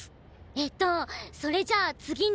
えっとそれじゃあ次に。